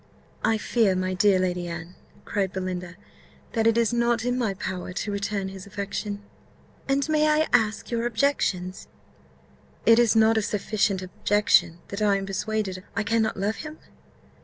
"I fear, my dear Lady Anne," cried Belinda, "that it is not in my power to return his affection." "And may I ask your objections?" "Is it not a sufficient objection, that I am persuaded I cannot love him?"